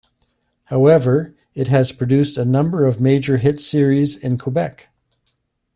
However, it has produced a number of major hit series in Quebec.